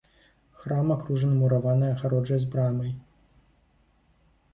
Храм акружаны мураванай агароджай з брамай.